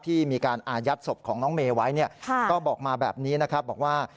ที่มีการอายัดศพของน้องเมย์ไว้เนี่ยก็บอกมาแบบนี้นะครับบอกว่า